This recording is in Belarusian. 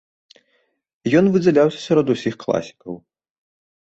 Ён выдзяляўся сярод усіх класікаў.